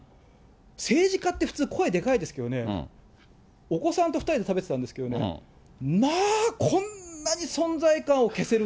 政治家って普通、声でかいですけどね、お子さんと２人で食べてたんですけれどもね、まあ、こんなに存在感を消せる